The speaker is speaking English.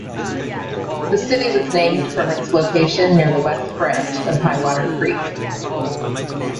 The city was named from its location near the west branch of Highwater Creek.